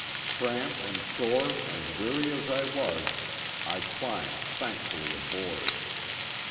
Cramped and sore and weary as I was I climbed thankfully aboard.